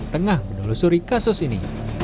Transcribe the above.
tengah menelusuri kasus ini